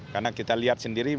karena kita lihat sendiri